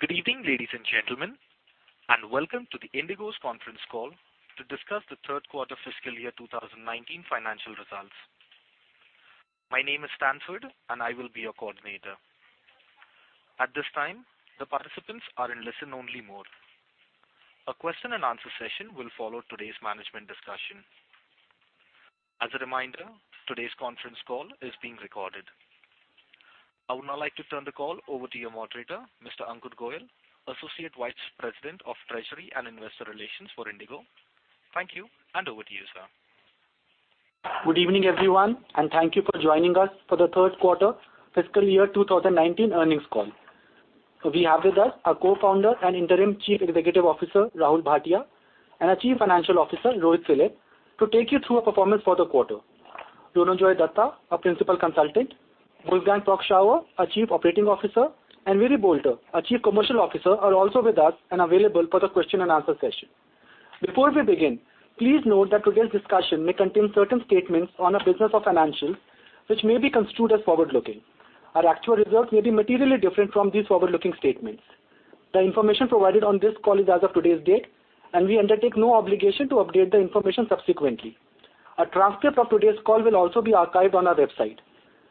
Good evening, ladies and gentlemen, and welcome to IndiGo's conference call to discuss the third quarter fiscal year 2019 financial results. My name is Stanford, and I will be your coordinator. At this time, the participants are in listen-only mode. A question and answer session will follow today's management discussion. As a reminder, today's conference call is being recorded. I would now like to turn the call over to your moderator, Mr. Ankur Goel, Associate Vice President of Treasury and Investor Relations for IndiGo. Thank you, and over to you, sir. Good evening, everyone, and thank you for joining us for the third quarter fiscal year 2019 earnings call. We have with us our Co-founder and Interim Chief Executive Officer, Rahul Bhatia, and our Chief Financial Officer, Rohit Philip, to take you through our performance for the quarter. Ronojoy Dutta, our Principal Consultant, Wolfgang Prock-Schauer, our Chief Operating Officer, and Willy Boulter, our Chief Commercial Officer, are also with us and available for the question and answer session. Before we begin, please note that today's discussion may contain certain statements on our business or financials which may be construed as forward-looking. Our actual results may be materially different from these forward-looking statements. The information provided on this call is as of today's date, and we undertake no obligation to update the information subsequently. A transcript of today's call will also be archived on our website.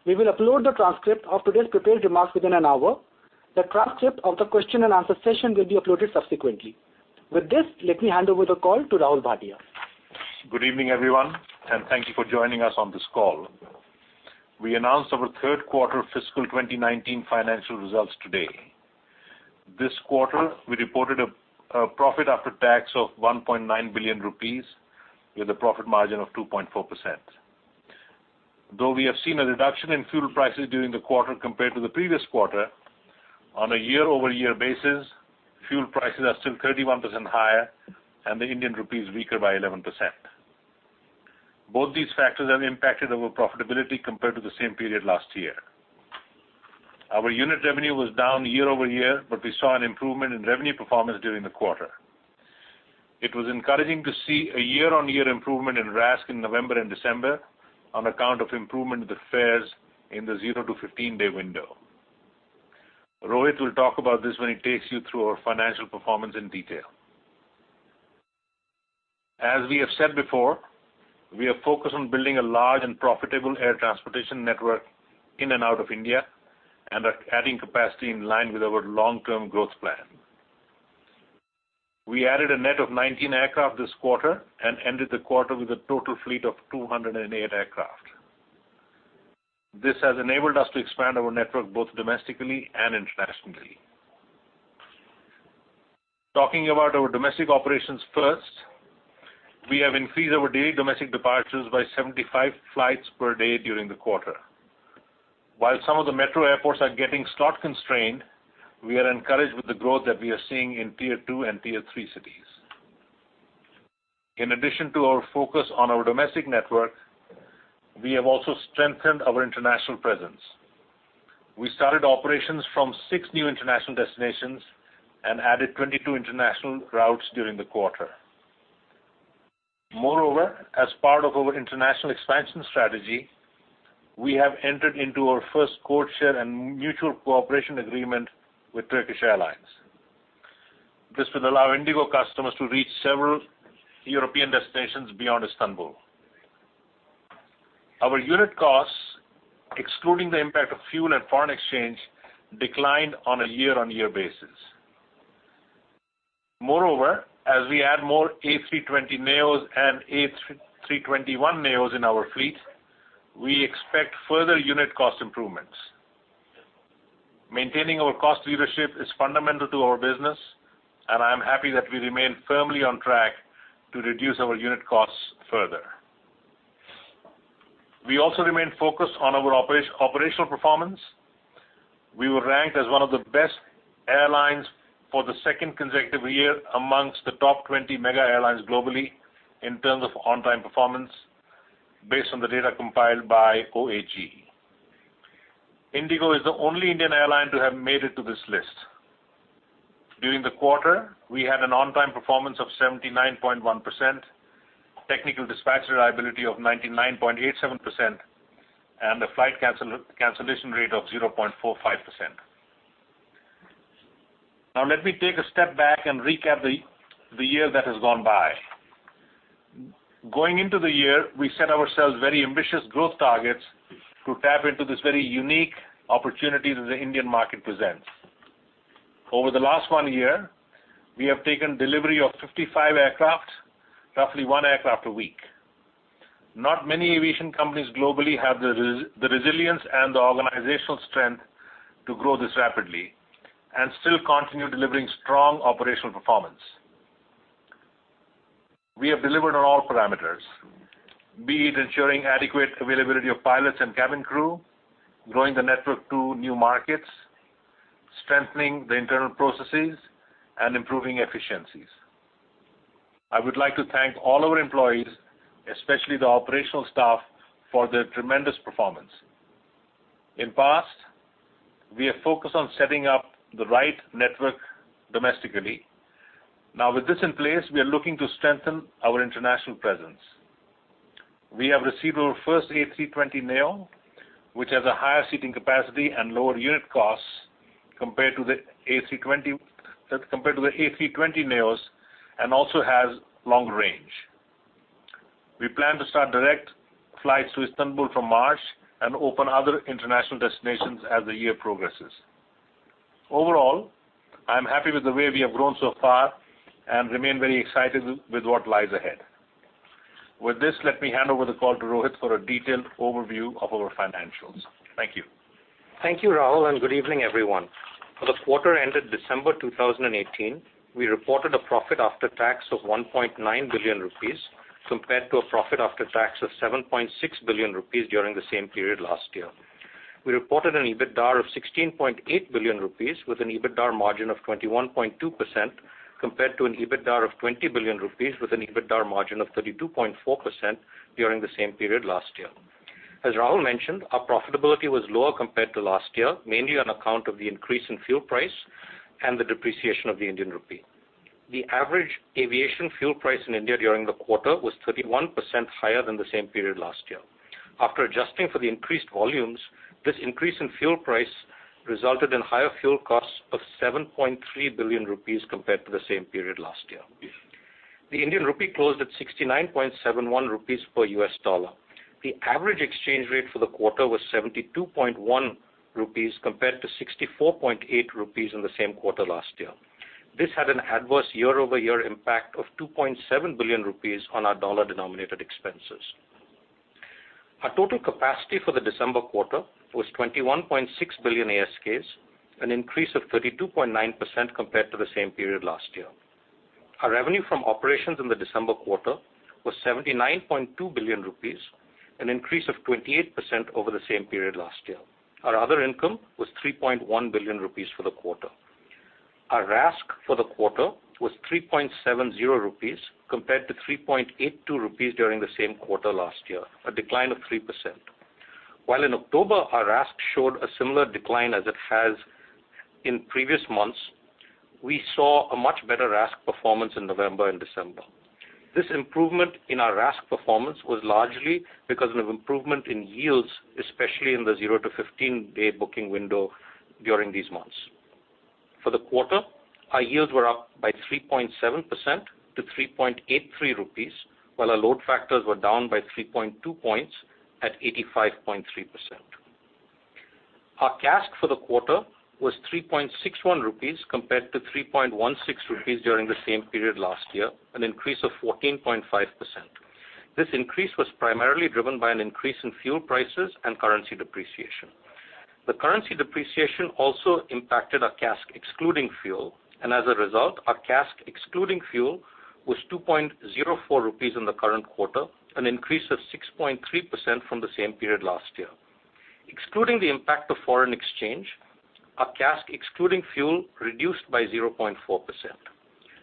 We will upload the transcript of today's prepared remarks within an hour. The transcript of the question and answer session will be uploaded subsequently. With this, let me hand over the call to Rahul Bhatia. Good evening, everyone, and thank you for joining us on this call. We announced our third quarter fiscal 2019 financial results today. This quarter, we reported a profit after tax of 1.9 billion rupees with a profit margin of 2.4%. Though we have seen a reduction in fuel prices during the quarter compared to the previous quarter, on a year-over-year basis, fuel prices are still 31% higher and the Indian rupee is weaker by 11%. Both these factors have impacted our profitability compared to the same period last year. Our unit revenue was down year-over-year, but we saw an improvement in revenue performance during the quarter. It was encouraging to see a year-on-year improvement in RASK in November and December on account of improvement of the fares in the zero to 15-day window. Rohit will talk about this when he takes you through our financial performance in detail. As we have said before, we are focused on building a large and profitable air transportation network in and out of India and are adding capacity in line with our long-term growth plan. We added a net of 19 aircraft this quarter and ended the quarter with a total fleet of 208 aircraft. This has enabled us to expand our network both domestically and internationally. Talking about our domestic operations first, we have increased our daily domestic departures by 75 flights per day during the quarter. While some of the metro airports are getting slot constrained, we are encouraged with the growth that we are seeing in tier 2 and tier 3 cities. In addition to our focus on our domestic network, we have also strengthened our international presence. We started operations from six new international destinations and added 22 international routes during the quarter. As part of our international expansion strategy, we have entered into our first codeshare and mutual cooperation agreement with Turkish Airlines. This will allow IndiGo customers to reach several European destinations beyond Istanbul. Our unit costs, excluding the impact of fuel and foreign exchange, declined on a year-on-year basis. As we add more A320neos and A321neos in our fleet, we expect further unit cost improvements. Maintaining our cost leadership is fundamental to our business, and I am happy that we remain firmly on track to reduce our unit costs further. We also remain focused on our operational performance. We were ranked as one of the best airlines for the second consecutive year amongst the top 20 mega airlines globally in terms of on-time performance based on the data compiled by OAG. IndiGo is the only Indian airline to have made it to this list. During the quarter, we had an on-time performance of 79.1%, technical dispatch reliability of 99.87%, and a flight cancellation rate of 0.45%. Now let me take a step back and recap the year that has gone by. Going into the year, we set ourselves very ambitious growth targets to tap into this very unique opportunity that the Indian market presents. Over the last one year, we have taken delivery of 55 aircraft, roughly one aircraft a week. Not many aviation companies globally have the resilience and the organizational strength to grow this rapidly and still continue delivering strong operational performance. We have delivered on all parameters, be it ensuring adequate availability of pilots and cabin crew, growing the network to new markets, strengthening the internal processes, and improving efficiencies. I would like to thank all our employees, especially the operational staff, for their tremendous performance. In past, we have focused on setting up the right network domestically. Now with this in place, we are looking to strengthen our international presence. We have received our first A320neo, which has a higher seating capacity and lower unit costs compared to the A320neos, and also has long range. We plan to start direct flights to Istanbul from March and open other international destinations as the year progresses. Overall, I'm happy with the way we have grown so far and remain very excited with what lies ahead. With this, let me hand over the call to Rohit for a detailed overview of our financials. Thank you. Thank you, Rahul, and good evening, everyone. For the quarter ended December 2018, we reported a profit after tax of 1.9 billion rupees compared to a profit after tax of 7.6 billion rupees during the same period last year. We reported an EBITDAR of 16.8 billion rupees with an EBITDAR margin of 21.2%, compared to an EBITDAR of 20 billion rupees with an EBITDAR margin of 32.4% during the same period last year. As Rahul mentioned, our profitability was lower compared to last year, mainly on account of the increase in fuel price and the depreciation of the Indian Rupee. The average aviation fuel price in India during the quarter was 31% higher than the same period last year. After adjusting for the increased volumes, this increase in fuel price resulted in higher fuel costs of 7.3 billion rupees compared to the same period last year. The Indian Rupee closed at 69.71 rupees per US dollar. The average exchange rate for the quarter was 72.1 rupees compared to 64.8 rupees in the same quarter last year. This had an adverse year-over-year impact of 2.7 billion rupees on our dollar-denominated expenses. Our total capacity for the December quarter was 21.6 billion ASKs, an increase of 32.9% compared to the same period last year. Our revenue from operations in the December quarter was 79.2 billion rupees, an increase of 28% over the same period last year. Our other income was 3.1 billion rupees for the quarter. Our RASK for the quarter was 3.70 rupees compared to 3.82 rupees during the same quarter last year, a decline of 3%. While in October, our RASK showed a similar decline as it has in previous months, we saw a much better RASK performance in November and December. This improvement in our RASK performance was largely because of improvement in yields, especially in the 0 to 15-day booking window during these months. For the quarter, our yields were up by 3.7% to 3.83 rupees, while our load factors were down by 3.2 points at 85.3%. Our CASK for the quarter was 3.61 rupees compared to 3.16 rupees during the same period last year, an increase of 14.5%. This increase was primarily driven by an increase in fuel prices and currency depreciation. The currency depreciation also impacted our CASK excluding fuel, and as a result, our CASK excluding fuel was 2.04 rupees in the current quarter, an increase of 6.3% from the same period last year. Excluding the impact of foreign exchange, our CASK excluding fuel reduced by 0.4%.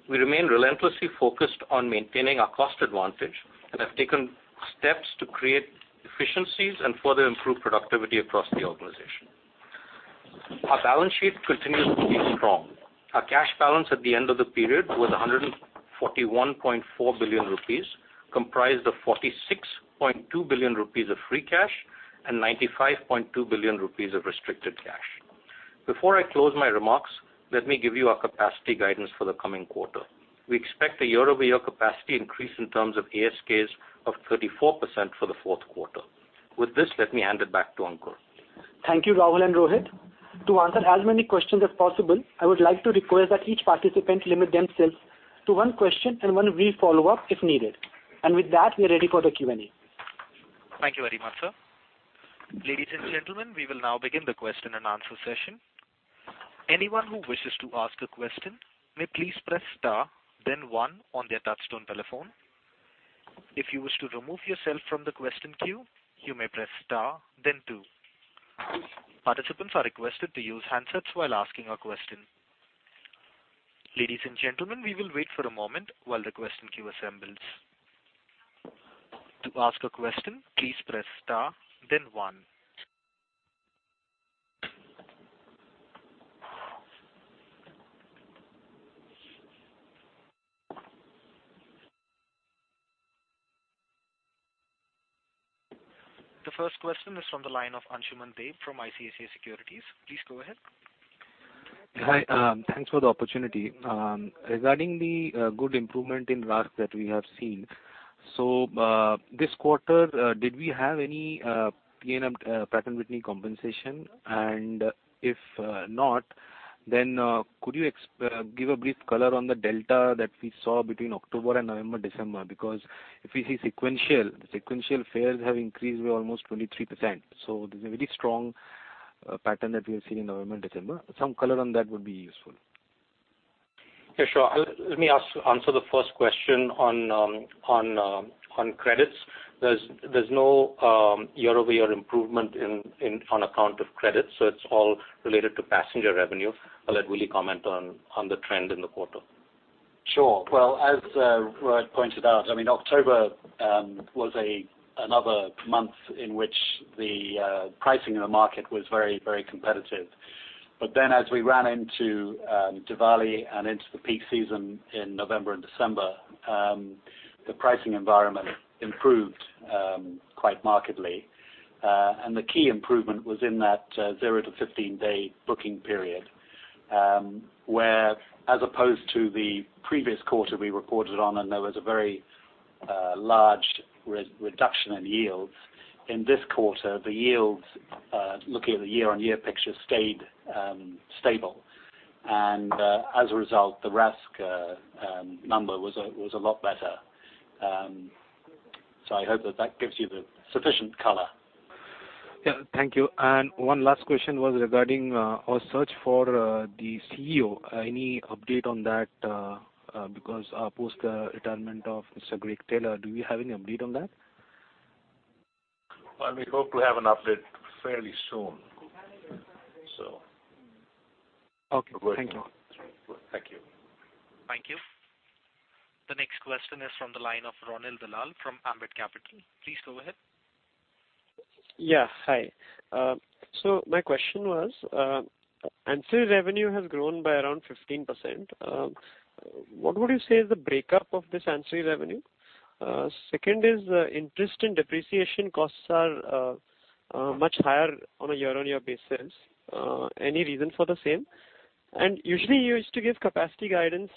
We remain relentlessly focused on maintaining our cost advantage and have taken steps to create efficiencies and further improve productivity across the organization. Our balance sheet continues to be strong. Our cash balance at the end of the period was 141.4 billion rupees, comprised of 46.2 billion rupees of free cash and 95.2 billion rupees of restricted cash. Before I close my remarks, let me give you our capacity guidance for the coming quarter. We expect a year-over-year capacity increase in terms of ASKs of 34% for the fourth quarter. With this, let me hand it back to Ankur. Thank you, Rahul and Rohit. To answer as many questions as possible, I would like to request that each participant limit themselves to one question and one brief follow-up if needed. With that, we are ready for the Q&A. Thank you very much, sir. Ladies and gentlemen, we will now begin the question and answer session. Anyone who wishes to ask a question may please press star then one on their touchtone telephone. If you wish to remove yourself from the question queue, you may press star then two. Participants are requested to use handsets while asking a question. Ladies and gentlemen, we will wait for a moment while the question queue assembles. To ask a question, please press star then one. The first question is from the line of Ansuman Deb from ICICI Securities. Please go ahead. Hi. Thanks for the opportunity. Regarding the good improvement in RASK that we have seen. This quarter, did we have any P&W compensation? If not, then could you give a brief color on the delta that we saw between October and November, December? If we see sequential fares have increased by almost 23%. There's a very strong pattern that we have seen in November, December. Some color on that would be useful. Yeah, sure. Let me answer the first question on credits. There's no year-over-year improvement on account of credits, it's all related to passenger revenue. I'll let Willy comment on the trend in the quarter. Sure. As Rohit pointed out, October was another month in which the pricing in the market was very competitive. As we ran into Diwali and into the peak season in November and December, the pricing environment improved quite markedly. The key improvement was in that 0 to 15-day booking period, where as opposed to the previous quarter we reported on and there was a very large reduction in yields. In this quarter, the yields, looking at the year-on-year picture, stayed stable. As a result, the RASK number was a lot better. I hope that that gives you the sufficient color. Yeah, thank you. One last question was regarding our search for the CEO. Any update on that? Because post the retirement of Gregory Taylor, do we have any update on that? We hope to have an update fairly soon. Okay. Thank you we're working on it. Thank you. Thank you. The next question is from the line of Ronil Dalal from Ambit Capital. Please go ahead. Yeah, hi. My question was, ancillary revenue has grown by around 15%. What would you say is the breakup of this ancillary revenue? Second is, interest and depreciation costs are much higher on a year-on-year basis. Any reason for the same? Usually, you used to give capacity guidance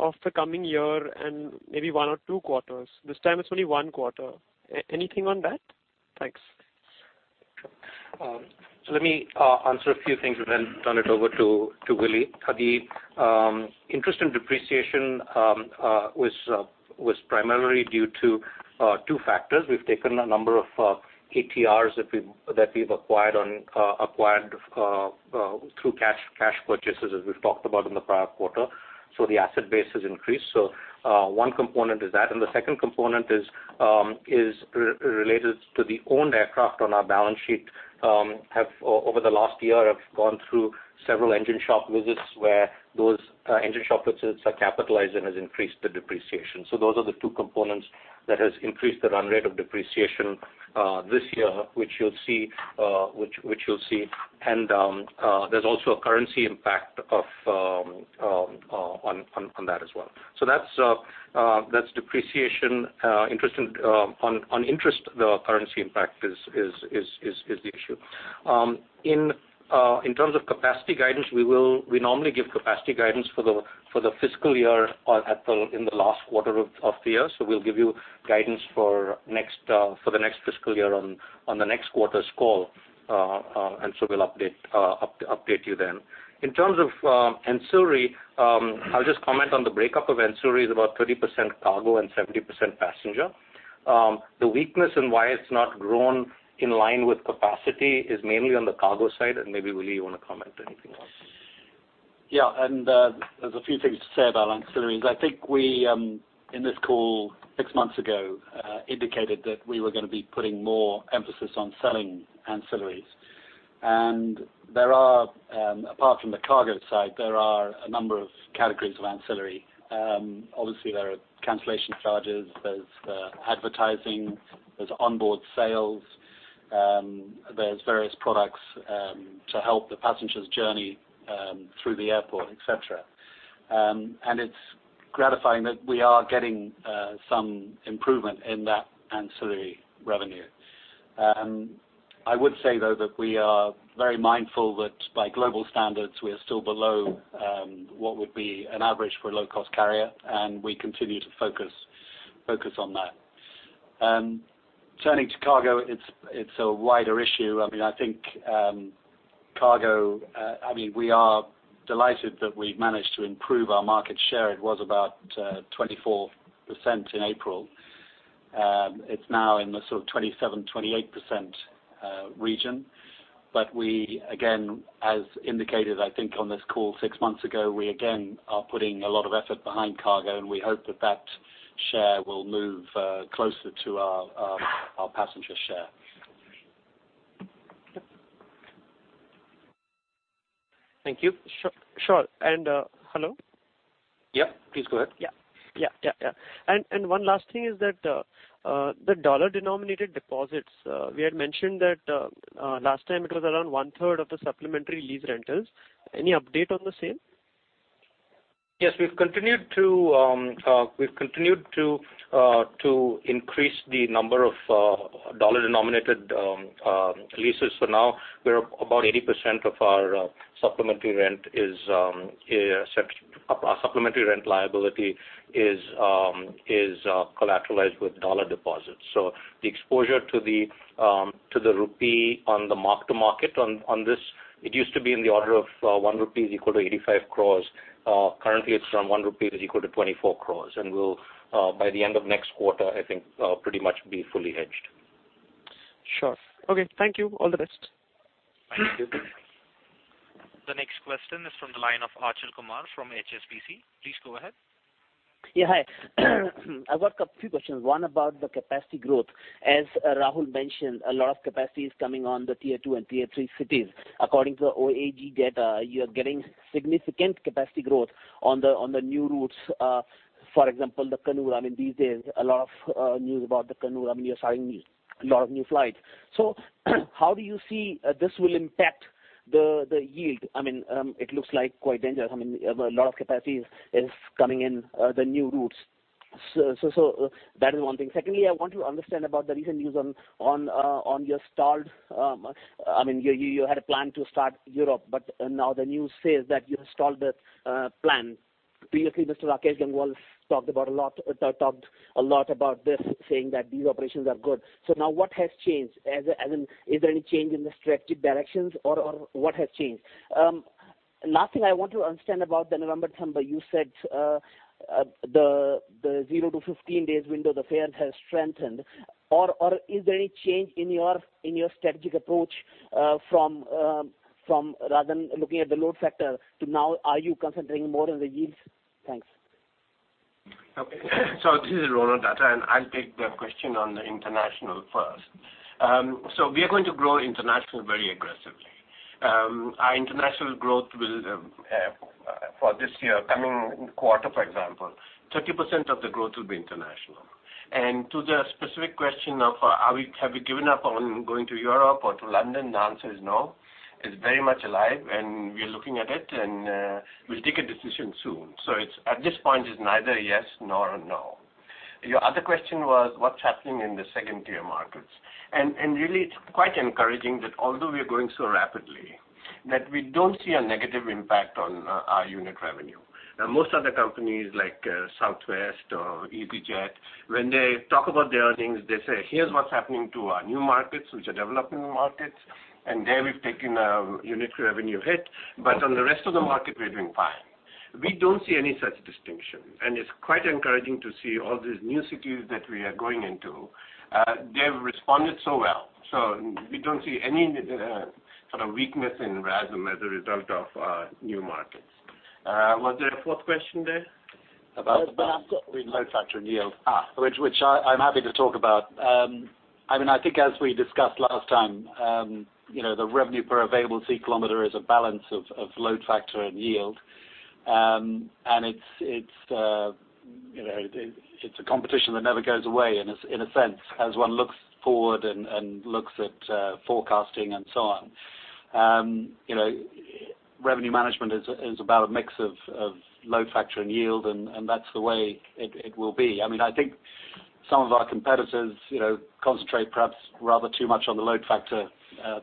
of the coming year and maybe one or two quarters. This time it's only one quarter. Anything on that? Thanks. Let me answer a few things and then turn it over to Willy. The interest and depreciation was primarily due to two factors. We've taken a number of ATRs that we've acquired through cash purchases, as we've talked about in the prior quarter. The asset base has increased. One component is that, and the second component is related to the owned aircraft on our balance sheet, over the last year have gone through several engine shop visits where those engine shop visits are capitalized and has increased the depreciation. Those are the two components that has increased the run rate of depreciation this year, which you'll see, and there's also a currency impact on that as well. That's depreciation. On interest, the currency impact is the issue. In terms of capacity guidance, we normally give capacity guidance for the fiscal year in the last quarter of the year. We'll give you guidance for the next fiscal year on the next quarter's call. We'll update you then. In terms of ancillary, I'll just comment on the breakup of ancillary is about 30% cargo and 70% passenger. The weakness in why it's not grown in line with capacity is mainly on the cargo side, and maybe, Willy, you want to comment anything on? There's a few things to say about ancillaries. I think we, in this call six months ago, indicated that we were going to be putting more emphasis on selling ancillaries. Apart from the cargo side, there are a number of categories of ancillary. Obviously, there are cancellation charges, there's advertising, there's onboard sales, there's various products to help the passenger's journey through the airport, et cetera. It's gratifying that we are getting some improvement in that ancillary revenue. I would say, though, that we are very mindful that by global standards, we are still below what would be an average for a low-cost carrier, and we continue to focus on that. Turning to cargo, it's a wider issue. We are delighted that we've managed to improve our market share. It was about 24% in April. It's now in the sort of 27%, 28% region. We, again, as indicated, I think, on this call six months ago, we again are putting a lot of effort behind cargo, and we hope that that share will move closer to our passenger share. Thank you. Sure. Hello? Yep. Please go ahead. Yeah. One last thing is that the dollar-denominated deposits, we had mentioned that last time it was around one-third of the supplementary lease rentals. Any update on the same? Yes, we've continued to increase the number of dollar-denominated leases. Now about 80% of our supplementary rent liability is collateralized with dollar deposits. The exposure to the rupee on the mark to market on this, it used to be in the order of 1 rupee is equal to 85 crore. Currently it's from 1 rupee is equal to 24 crore. By the end of next quarter, I think we'll pretty much be fully hedged. Sure. Okay. Thank you. All the best. Thank you. The next question is from the line of Achal Kumar from HSBC. Please go ahead. Hi. I've got a few questions. One about the capacity growth. As Rahul mentioned, a lot of capacity is coming on the tier 2 and tier 3 cities. According to the OAG data, you're getting significant capacity growth on the new routes. For example, Kannur. These days, a lot of news about Kannur. You're starting a lot of new flights. How do you see this will impact the yield? It looks quite dangerous. A lot of capacity is coming in the new routes. That is one thing. Secondly, I want to understand about the recent news on your stalled. You had a plan to start Europe, but now the news says that you have stalled the plan. Previously, Mr. Rakesh Gangwal talked a lot about this, saying that these operations are good. Now what has changed? Is there any change in the strategic directions? What has changed? Last thing I want to understand about the November-December. You said the 0 to 15 days window, the fare has strengthened. Is there any change in your strategic approach from RASM, looking at the load factor to now, are you concentrating more on the yields? Thanks. Okay. This is Ronojoy Dutta, and I'll take the question on the international first. We are going to grow international very aggressively. Our international growth for this year, coming quarter, for example, 30% of the growth will be international. To the specific question of have we given up on going to Europe or to London? The answer is no. It's very much alive, and we are looking at it, and we'll take a decision soon. At this point, it's neither a yes nor a no. Your other question was what's happening in the second-tier markets? Really, it's quite encouraging that although we are growing so rapidly, that we don't see a negative impact on our unit revenue. Most other companies, like Southwest or easyJet, when they talk about their earnings, they say, "Here's what's happening to our new markets, which are developing markets. There we've taken a unit revenue hit. On the rest of the market, we're doing fine." We don't see any such distinction. It's quite encouraging to see all these new cities that we are going into. They've responded so well. We don't see any sort of weakness in RASM as a result of new markets. Was there a fourth question there? About the load factor and yield. Which I'm happy to talk about. I think as we discussed last time, the RASK is a balance of load factor and yield. It's a competition that never goes away in a sense, as one looks forward and looks at forecasting and so on. Revenue management is about a mix of load factor and yield, and that's the way it will be. I think some of our competitors concentrate perhaps rather too much on the load factor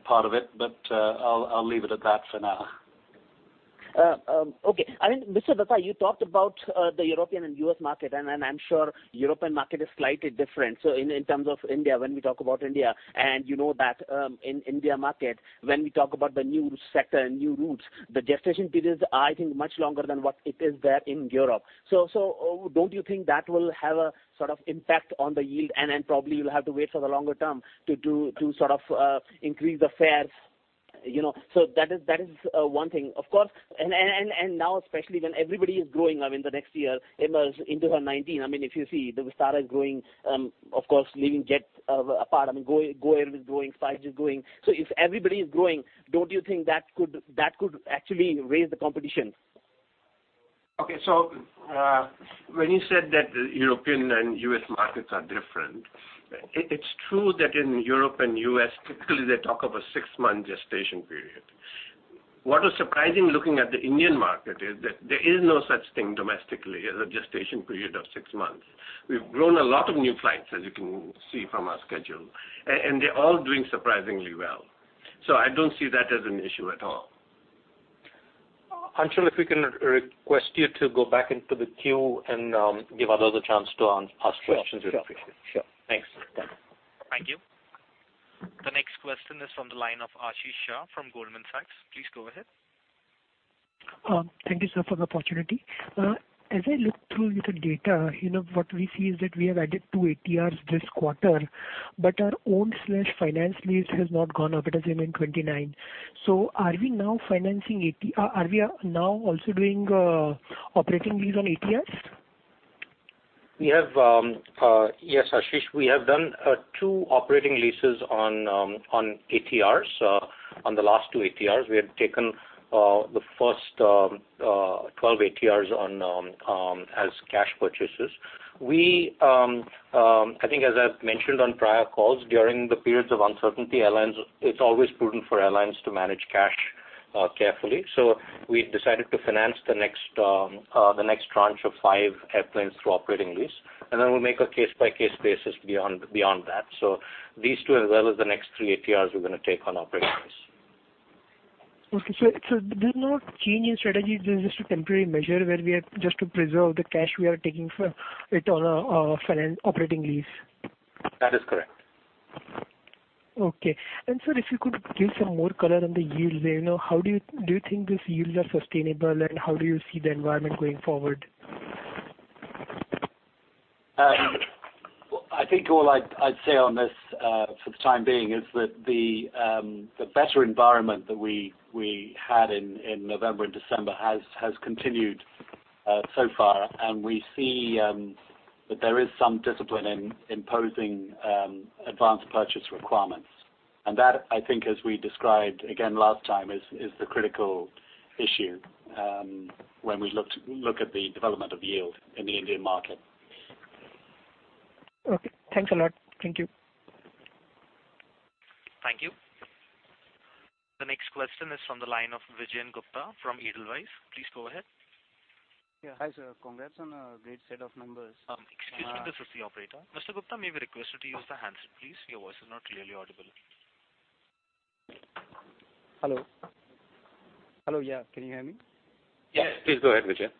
part of it, but I'll leave it at that for now. Okay. Mr. Dutta, you talked about the European and U.S. market, I'm sure European market is slightly different. In terms of India, when we talk about India, you know that in India market, when we talk about the new sector and new routes, the gestation period is, I think, much longer than what it is there in Europe. Don't you think that will have a sort of impact on the yield, and probably you'll have to wait for the longer term to sort of increase the fares? That is one thing. Now especially when everybody is growing in the next year, in 2019, if you see that Vistara is growing. Leaving Jet Airways apart, GoAir is growing, SpiceJet is growing. If everybody is growing, don't you think that could actually raise the competition? Okay. When you said that European and U.S. markets are different, it's true that in Europe and U.S., typically, they talk of a six-month gestation period. What was surprising looking at the Indian market is that there is no such thing domestically as a gestation period of six months. We've grown a lot of new flights, as you can see from our schedule. They're all doing surprisingly well. I don't see that as an issue at all. Achal, if we can request you to go back into the queue and give others a chance to ask questions, we'd appreciate it. Sure. Thanks. Okay. Thank you. The next question is from the line of Ashish Shah from Goldman Sachs. Please go ahead. Thank you, sir, for the opportunity. As I look through your data, what we see is that we have added two ATRs this quarter, but our own/finance lease has not gone up; it is remain 29. Are we now also doing operating lease on ATRs? Yes, Ashish. We have done two operating leases on ATRs. On the last two ATRs. We have taken the first 12 ATRs as cash purchases. I think as I've mentioned on prior calls, during the periods of uncertainty, it's always prudent for airlines to manage cash carefully. We decided to finance the next tranche of five airplanes through operating lease. Then we'll make a case-by-case basis beyond that. These two, as well as the next three ATRs, we're going to take on operating lease. Okay. There's no change in strategy. This is just a temporary measure where just to preserve the cash we are taking it on a operating lease. That is correct. Okay. Sir, if you could give some more color on the yields there. Do you think these yields are sustainable, and how do you see the environment going forward? I think all I'd say on this for the time being is that the better environment that we had in November and December has continued so far. We see that there is some discipline in imposing advance purchase requirements. That, I think as we described again last time, is the critical issue when we look at the development of yield in the Indian market. Okay. Thanks a lot. Thank you. Thank you. The next question is from the line of Rohan Gupta from Edelweiss. Please go ahead. Yeah. Hi, sir. Congrats on a great set of numbers. Excuse me. This is the operator. Mr. Gupta, may we request you to use the handset, please? Your voice is not clearly audible. Hello. Yeah, can you hear me? Yes. Please go ahead, Rohan.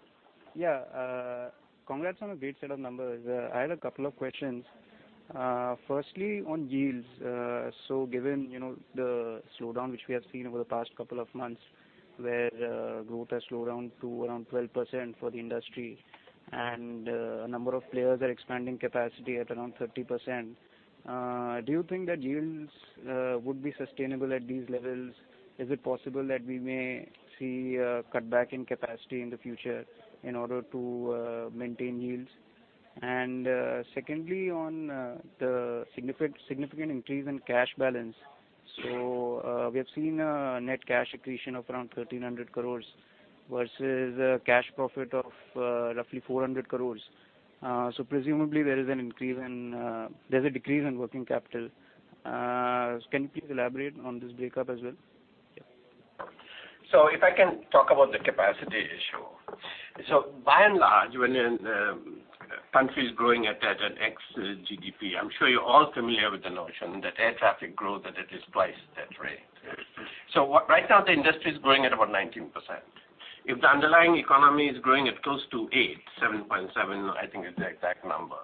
Yeah. Congrats on a great set of numbers. I had a couple of questions. Firstly, on yields. Given the slowdown which we have seen over the past couple of months, where growth has slowed down to around 12% for the industry and a number of players are expanding capacity at around 30%, do you think that yields would be sustainable at these levels? Is it possible that we may see a cutback in capacity in the future in order to maintain yields? Secondly, on the significant increase in cash balance. We have seen a net cash accretion of around 1,300 crores versus a cash profit of roughly 400 crores. Presumably, there is a decrease in working capital. Can you please elaborate on this breakup as well? Yeah. If I can talk about the capacity issue. By and large, when a country is growing at an X GDP, I'm sure you're all familiar with the notion that air traffic growth, that it is twice that rate. Yes. Right now the industry is growing at about 19%. If the underlying economy is growing at close to eight, 7.7, I think is the exact number,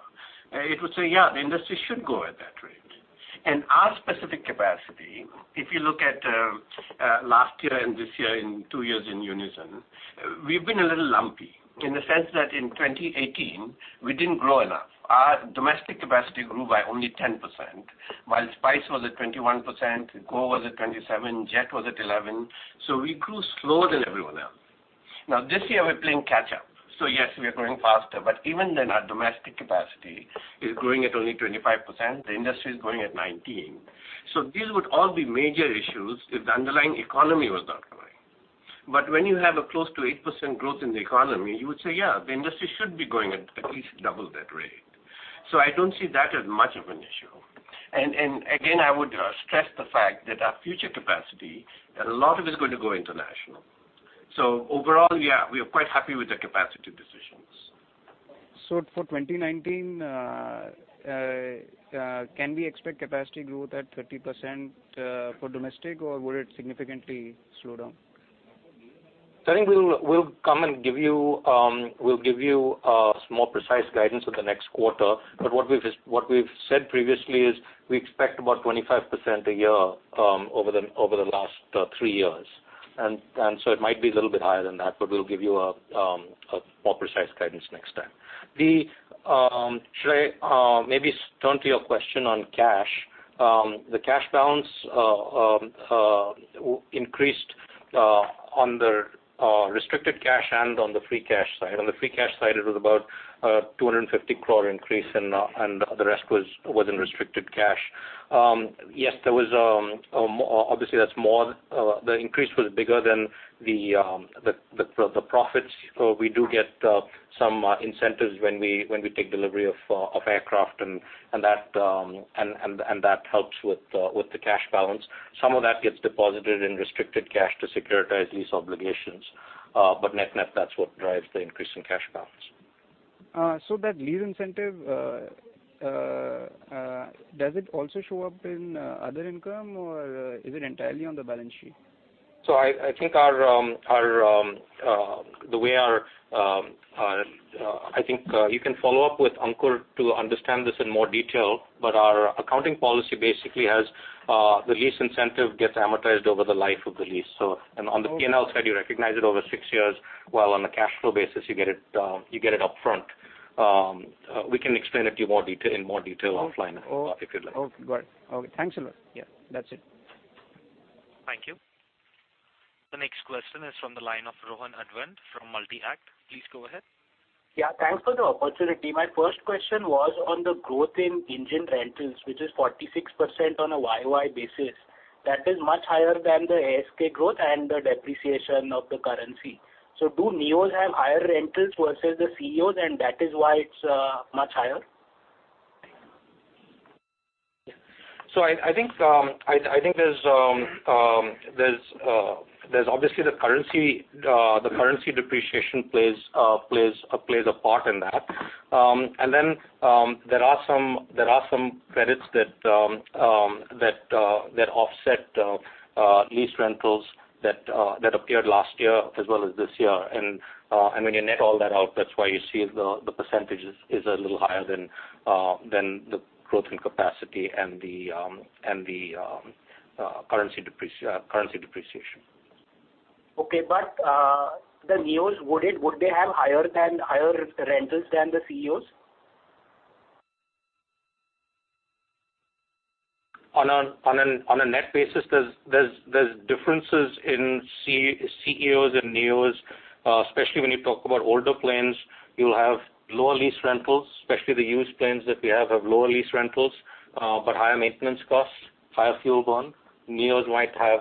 it would say, yeah, the industry should grow at that rate. Our specific capacity, if you look at last year and this year in two years in unison, we've been a little lumpy in the sense that in 2018, we didn't grow enough. Our domestic capacity grew by only 10%, while Spice was at 21%, Go was at 27%, Jet was at 11%. We grew slower than everyone else. Now this year, we're playing catch up. Yes, we are growing faster. But even then, our domestic capacity is growing at only 25%. The industry is growing at 19%. These would all be major issues if the underlying economy was not growing. When you have a close to 8% growth in the economy, you would say, yeah, the industry should be growing at least double that rate. I don't see that as much of an issue. Again, I would stress the fact that our future capacity, a lot of it is going to go international. Overall, yeah, we are quite happy with the capacity decisions. For 2019, can we expect capacity growth at 30% for domestic, or would it significantly slow down? I think we'll come and we'll give you a more precise guidance with the next quarter. What we've said previously is we expect about 25% a year over the last three years. It might be a little bit higher than that, but we'll give you a more precise guidance next time. Should I maybe turn to your question on cash? The cash balance increased on the restricted cash and on the free cash side. On the free cash side, it was about 250 crore increase, and the rest was in restricted cash. Yes, obviously, the increase was bigger than the profits. We do get some incentives when we take delivery of aircraft and that helps with the cash balance. Some of that gets deposited in restricted cash to securitize these obligations. Net-net, that's what drives the increase in cash balance. That lease incentive, does it also show up in other income, or is it entirely on the balance sheet? I think you can follow up with Ankur to understand this in more detail, Our accounting policy basically has the lease incentive gets amortized over the life of the lease. On the P&L side, you recognize it over six years, while on a cash flow basis, you get it upfront. We can explain it to you in more detail offline if you'd like. Okay, got it. Okay, thanks a lot. Yeah, that's it. Thank you. The next question is from the line of Rohan Advant from Multi-Act. Please go ahead. Yeah, thanks for the opportunity. My first question was on the growth in engine rentals, which is 46% on a year-over-year basis. That is much higher than the ASK growth and the depreciation of the currency. Do NEOs have higher rentals versus the CEOs, and that is why it's much higher? I think obviously the currency depreciation plays a part in that. Then there are some credits that offset lease rentals that appeared last year as well as this year. When you net all that out, that's why you see the percentage is a little higher than the growth in capacity and the currency depreciation. Okay. The NEOs, would they have higher rentals than the CEOs? On a net basis, there's differences in CEOs and NEOs, especially when you talk about older planes. You'll have lower lease rentals, especially the used planes that we have have lower lease rentals, but higher maintenance costs Higher fuel burn. NEOs might have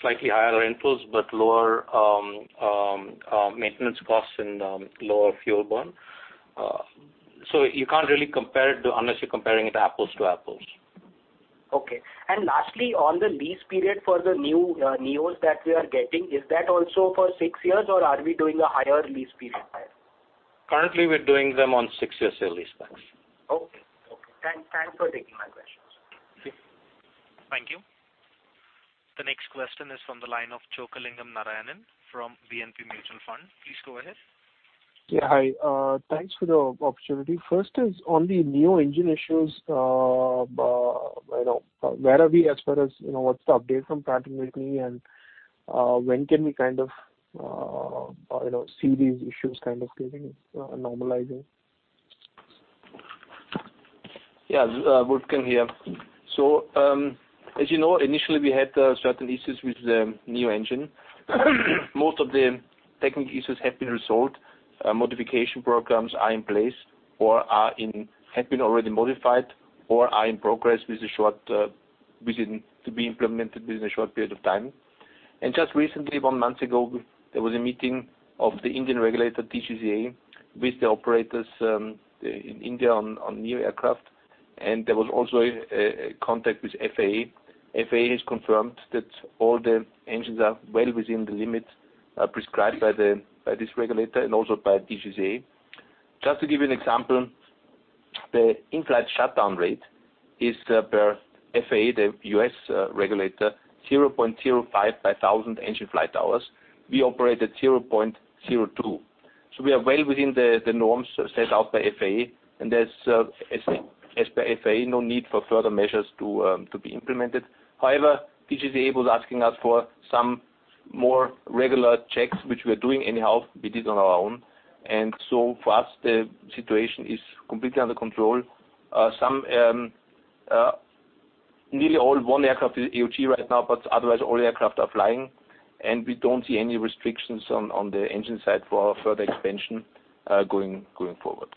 slightly higher rentals, but lower maintenance costs and lower fuel burn. You can't really compare it, unless you're comparing it apples to apples. Okay. Lastly, on the lease period for the new NEOs that we are getting, is that also for six years, or are we doing a higher lease period? Currently, we're doing them on six-year sale lease backs. Okay. Thanks for taking my questions. Okay. Thank you. The next question is from the line of Chockalingam Narayanan from BNP Paribas Mutual Fund. Please go ahead. Yeah. Hi. Thanks for the opportunity. First is on the NEO engine issues. Where are we as far as what's the update from Pratt & Whitney? When can we see these issues kind of getting normalizing? Yeah. Wolfgang here. As you know, initially we had certain issues with the NEO engine. Most of the technical issues have been resolved. Modification programs are in place or have been already modified or are in progress to be implemented within a short period of time. Just recently, one month ago, there was a meeting of the Indian regulator, DGCA, with the operators, in India on NEO aircraft. There was also a contact with FAA. FAA has confirmed that all the engines are well within the limits prescribed by this regulator and also by DGCA. Just to give you an example, the in-flight shutdown rate is, per FAA, the U.S. regulator, 0.05 per 1,000 engine flight hours. We operate at 0.02. We are well within the norms set out by FAA, and there's, as per FAA, no need for further measures to be implemented. However, DGCA was asking us for some more regular checks, which we are doing anyhow. We did on our own. For us, the situation is completely under control. Nearly all but one aircraft is AOG right now. Otherwise, all aircraft are flying. We don't see any restrictions on the engine side for our further expansion going forward.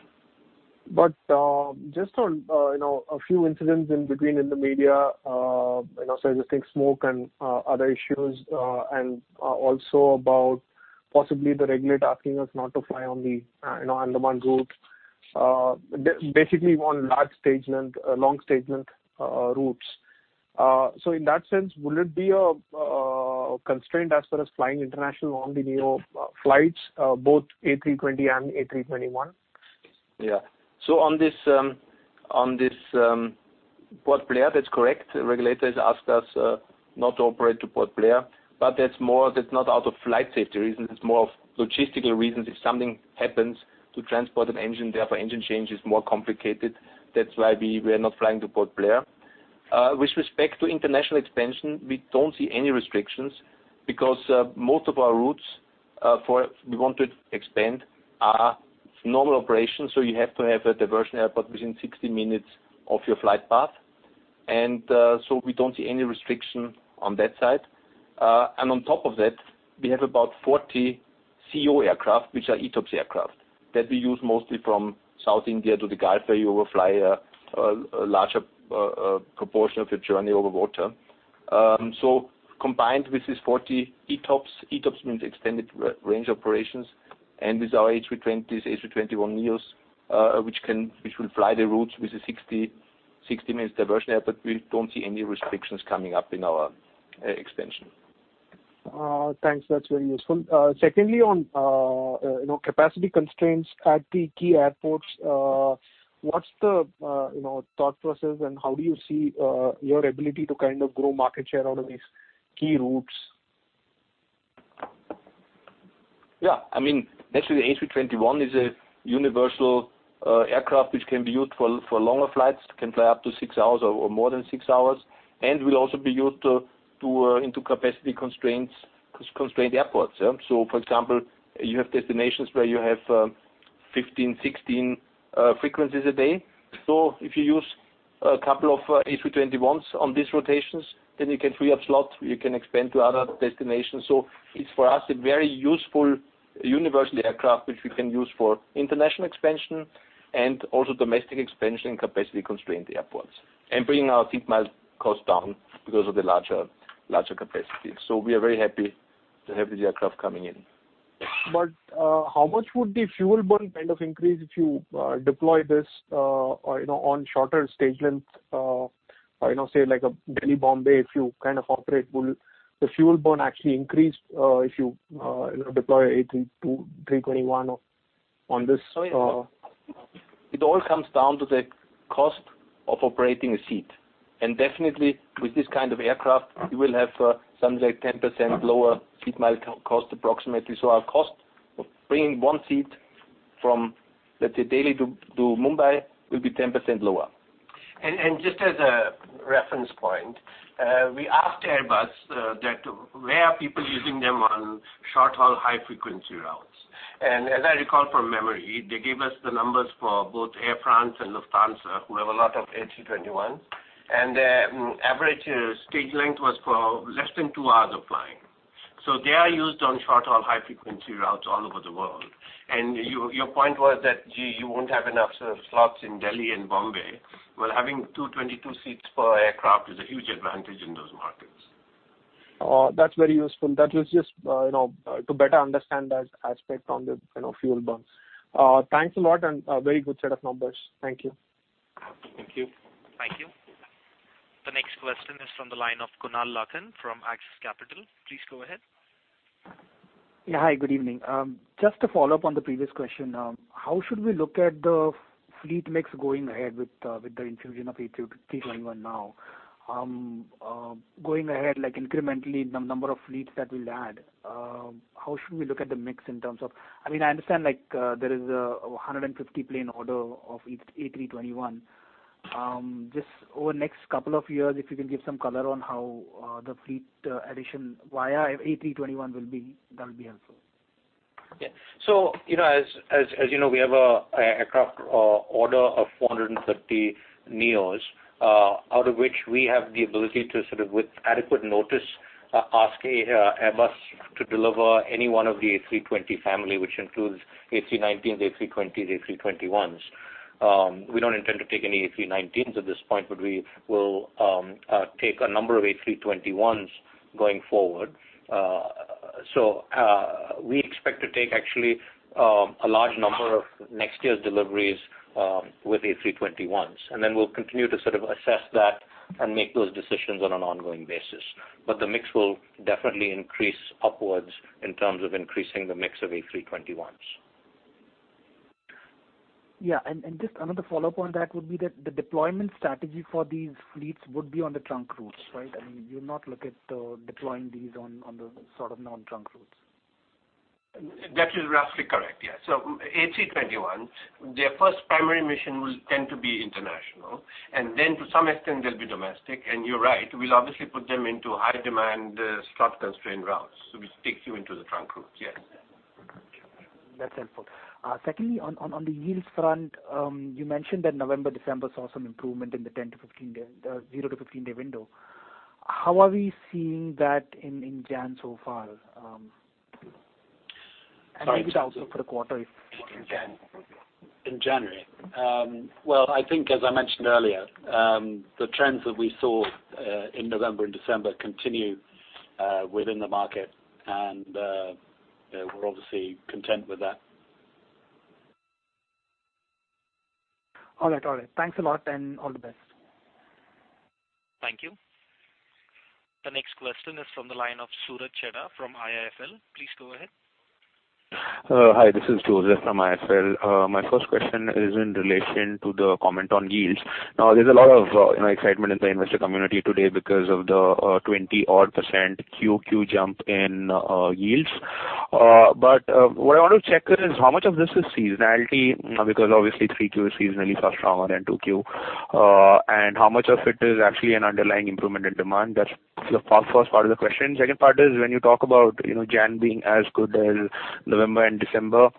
Just on a few incidents in between in the media, I think smoke and other issues. Also about possibly the regulator asking us not to fly on the Andaman route. Basically, on large stage length, long stage length routes. In that sense, will it be a constraint as far as flying international on the NEO flights, both A320 and A321? On this Port Blair, that's correct. Regulators asked us not to operate to Port Blair, that's not out of flight safety reasons. It's more of logistical reasons. If something happens to transport an engine there, for engine change, it's more complicated. That's why we are not flying to Port Blair. With respect to international expansion, we don't see any restrictions because most of our routes we want to expand are normal operations, you have to have a diversion airport within 60 minutes of your flight path. We don't see any restriction on that side. On top of that, we have about 40 CEO aircraft, which are ETOPS aircraft that we use mostly from South India to the Gulf, where you will fly a larger proportion of your journey over water. Combined with these 40 ETOPS means extended range operations, with our A320s, A321 NEOs, which will fly the routes with the 60 minutes diversion airport, we don't see any restrictions coming up in our expansion. Thanks. That's very useful. Secondly, on capacity constraints at the key airports, what's the thought process and how do you see your ability to grow market share out of these key routes? Actually the A321 is a universal aircraft which can be used for longer flights. It can fly up to six hours or more than six hours and will also be used into capacity constrained airports. For example, you have destinations where you have 15, 16 frequencies a day. If you use a couple of A321s on these rotations, you can free up slots, you can expand to other destinations. It's for us a very useful universal aircraft which we can use for international expansion and also domestic expansion in capacity-constrained airports. Bringing our seat mile cost down because of the larger capacity. We are very happy to have the aircraft coming in. How much would the fuel burn increase if you deploy this on shorter stage lengths? Say like a Delhi-Mumbai, if you operate, will the fuel burn actually increase if you deploy A321 on this? It all comes down to the cost of operating a seat. Definitely with this kind of aircraft, you will have something like 10% lower seat mile cost approximately. Our cost of bringing one seat from, let's say, Delhi to Mumbai will be 10% lower. Just as a reference point, we asked Airbus that where are people using them on short-haul, high-frequency routes? As I recall from memory, they gave us the numbers for both Air France and Lufthansa, who have a lot of A321s. The average stage length was for less than two hours of flying. They are used on short-haul, high-frequency routes all over the world. Your point was that you won't have enough slots in Delhi and Bombay. Well, having 222 seats per aircraft is a huge advantage in those markets. That's very useful. That was just to better understand that aspect on the fuel burns. Thanks a lot and very good set of numbers. Thank you. Thank you. Thank you. The next question is from the line of Kunal Lakhan from Axis Capital. Please go ahead. Yeah. Hi, good evening. Just to follow up on the previous question. How should we look at the fleet mix going ahead with the infusion of A321 now? Going ahead, like incrementally the number of fleets that we'll add, how should we look at the mix in terms of I understand there is 150 plane order of A321. Just over the next couple of years, if you can give some color on how the fleet addition via A321 will be, that would be helpful. Yeah. As you know, we have an aircraft order of 450 NEOs, out of which we have the ability to, with adequate notice, ask Airbus to deliver any one of the A320 family, which includes A319, A320, A321s. We don't intend to take any A319s at this point, but we will take a number of A321s going forward. We expect to take actually a large number of next year's deliveries with A321s, then we'll continue to assess that and make those decisions on an ongoing basis. The mix will definitely increase upwards in terms of increasing the mix of A321s. Yeah. Just another follow-up on that would be that the deployment strategy for these fleets would be on the trunk routes, right? I mean, you'll not look at deploying these on the sort of non-trunk routes. That is roughly correct, yeah. A321s, their first primary mission will tend to be international. Then to some extent, they'll be domestic. You're right, we'll obviously put them into high-demand, slot-constrained routes, which takes you into the trunk routes. Yes. Thank you. That's helpful. Secondly, on the yields front, you mentioned that November, December saw some improvement in the 0- to 15-day window. How are we seeing that in January so far? Maybe also for the quarter, if you can share. In January. Well, I think as I mentioned earlier, the trends that we saw in November and December continue within the market, and we're obviously content with that. All right. Thanks a lot, and all the best. Thank you. The next question is from the line of Joseph George from IIFL. Please go ahead. Hi, this is Joseph from IIFL. My first question is in relation to the comment on yields. Now there's a lot of excitement in the investor community today because of the 20 odd % QOQ jump in yields. What I want to check is how much of this is seasonality, because obviously 3Q is seasonally far stronger than 2Q, and how much of it is actually an underlying improvement in demand? That's the first part of the question. Second part is when you talk about Jan being as good as November and December,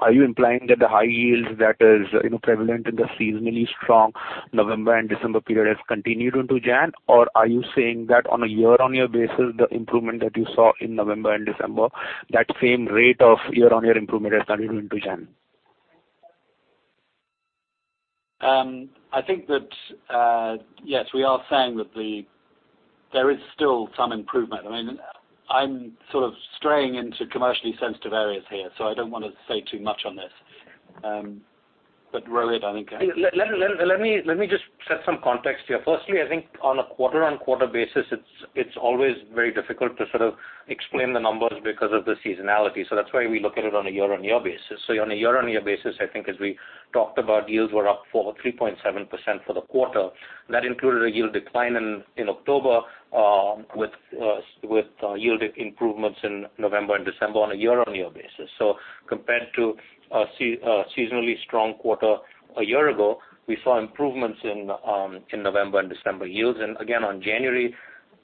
are you implying that the high yields that is prevalent in the seasonally strong November and December period has continued into Jan? Are you saying that on a year-on-year basis, the improvement that you saw in November and December, that same rate of year-on-year improvement has continued into Jan? I think that, yes, we are saying that there is still some improvement. I mean, I'm sort of straying into commercially sensitive areas here, so I don't want to say too much on this. Rohit, let me just set some context here. Firstly, I think on a quarter-on-quarter basis, it's always very difficult to explain the numbers because of the seasonality. That's why we look at it on a year-on-year basis. On a year-on-year basis, I think as we talked about, yields were up for 3.7% for the quarter. That included a yield decline in October, with yield improvements in November and December on a year-on-year basis. Compared to a seasonally strong quarter a year ago, we saw improvements in November and December yields. Again, on January,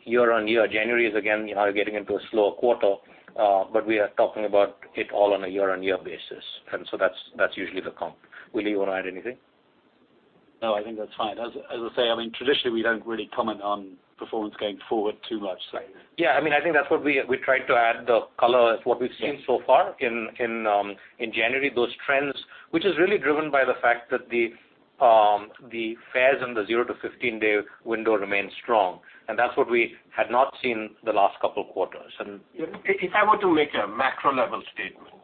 year-on-year, January is again getting into a slower quarter. We are talking about it all on a year-on-year basis. That's usually the comp. Willy, you want to add anything? No, I think that's fine. As I say, I mean, traditionally, we don't really comment on performance going forward too much. Yeah. I think that's what we tried to add the color of what we've seen so far in January, those trends. Which is really driven by the fact that the fares in the zero to 15-day window remain strong, and that's what we had not seen the last couple of quarters. If I were to make a macro-level statement,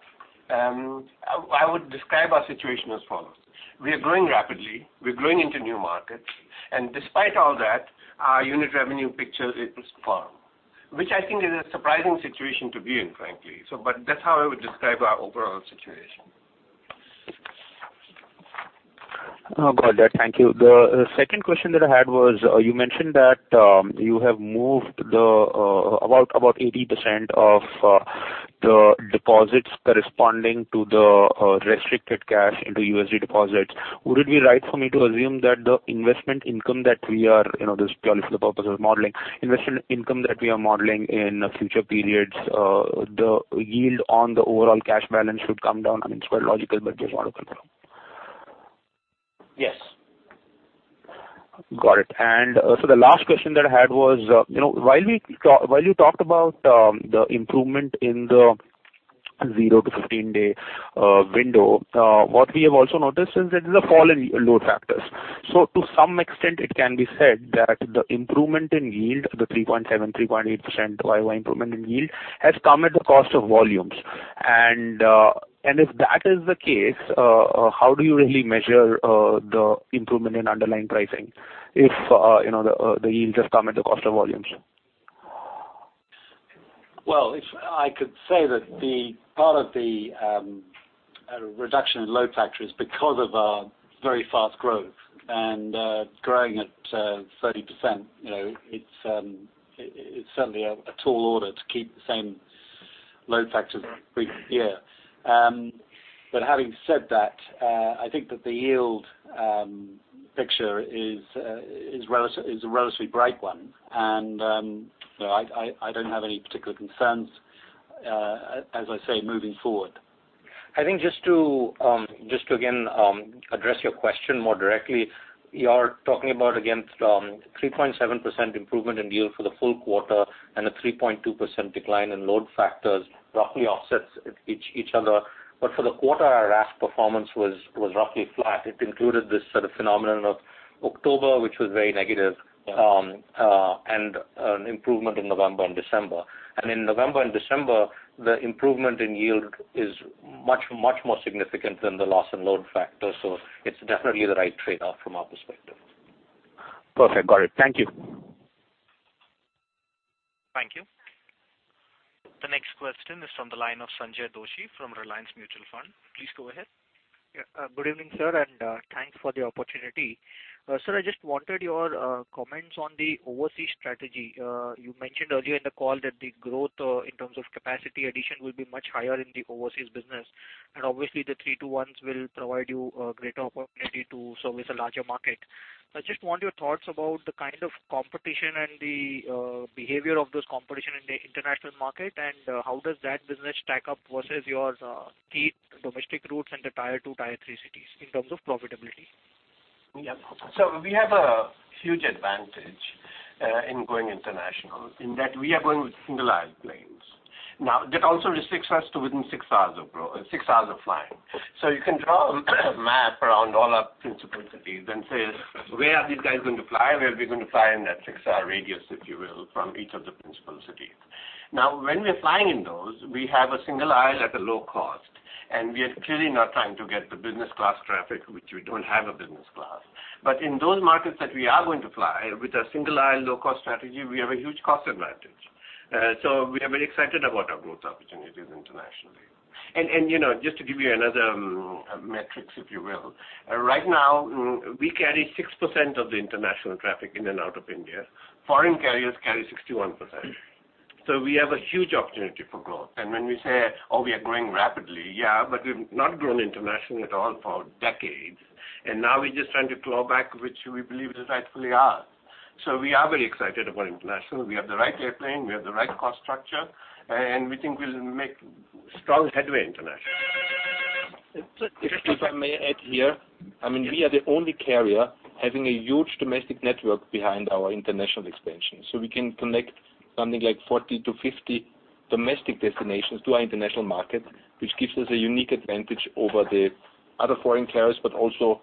I would describe our situation as follows. We are growing rapidly. We are growing into new markets. Despite all that, our unit revenue picture is firm. Which I think is a surprising situation to be in, frankly. That's how I would describe our overall situation. Got that. Thank you. The second question that I had was, you mentioned that you have moved about 80% of the deposits corresponding to the restricted cash into USD deposits. Would it be right for me to assume that the investment income that we are, this is purely for the purpose of modeling, investment income that we are modeling in future periods, the yield on the overall cash balance should come down? I mean, it's quite logical, but just want to confirm. Yes. Got it. The last question that I had was, while you talked about the improvement in the 0 to 15-day window, what we have also noticed is that there's a fall in load factors. To some extent, it can be said that the improvement in yield, the 3.7%, 3.8% year-over-year improvement in yield, has come at the cost of volumes. If that is the case, how do you really measure the improvement in underlying pricing if the yields just come at the cost of volumes? Well, I could say that part of the reduction in load factor is because of our very fast growth. Growing at 30%, it's certainly a tall order to keep the same load factor the previous year. Having said that, I think that the yield picture is a relatively bright one, and I don't have any particular concerns, as I say, moving forward. I think just to again address your question more directly, you are talking about against 3.7% improvement in yield for the full quarter and a 3.2% decline in load factors roughly offsets each other. For the quarter, our RASK performance was roughly flat. It included this sort of phenomenon of October, which was very negative, and an improvement in November and December. In November and December, the improvement in yield is much more significant than the loss in load factor. It's definitely the right trade-off from our perspective. Perfect. Got it. Thank you. Thank you. The next question is from the line of Sanjay Doshi from Reliance Mutual Fund. Please go ahead. Good evening, sir, and thanks for the opportunity. Sir, I just wanted your comments on the overseas strategy. You mentioned earlier in the call that the growth in terms of capacity addition will be much higher in the overseas business. Obviously the three, two, ones will provide you a greater opportunity to service a larger market. I just want your thoughts about the kind of competition and the behavior of those competition in the international market, and how does that business stack up versus your key domestic routes and the tier 2, tier 3 cities in terms of profitability? We have a huge advantage in going international in that we are going with single-aisle planes. That also restricts us to within 6 hours of flying. You can draw a map around all our principal cities and say, "Where are these guys going to fly? Where are we going to fly in that 6-hour radius, if you will, from each of the principal cities?" When we are flying in those, we have a single aisle at a low cost. We are clearly not trying to get the business class traffic, which we don't have a business class. In those markets that we are going to fly with a single-aisle, low-cost strategy, we have a huge cost advantage. We are very excited about our growth opportunities internationally. Just to give you another metrics, if you will. Right now, we carry 6% of the international traffic in and out of India. Foreign carriers carry 61%. We have a huge opportunity for growth. When we say, "Oh, we are growing rapidly," yeah, we've not grown internationally at all for decades. Now we're just trying to claw back which we believe is rightfully ours. We are very excited about international. We have the right airplane, we have the right cost structure, we think we'll make strong headway internationally. If I may add here. We are the only carrier having a huge domestic network behind our international expansion. We can connect something like 40 to 50 domestic destinations to our international market, which gives us a unique advantage over the other foreign carriers, also